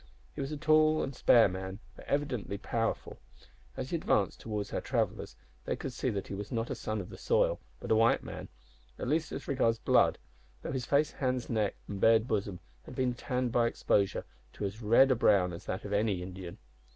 He was a tall and spare, but evidently powerful fellow. As he advanced towards our travellers they could see that he was not a son of the soil, but a white man at least as regards blood, though his face, hands, neck, and bared bosom had been tanned by exposure to as red a brown as that of any Indian.